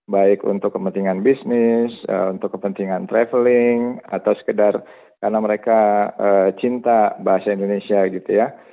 baik untuk kepentingan bisnis untuk kepentingan traveling atau sekedar karena mereka cinta bahasa indonesia gitu ya